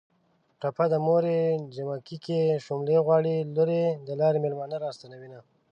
ټپه ده.: موریې جمکی کې شوملې غواړي ــــ لوریې د لارې مېلمانه را ستنوینه